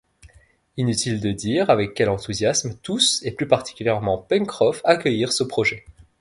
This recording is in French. Inutile de dire avec quel enthousiasme tous, et plus particulièrement Pencroff, accueillirent ce projet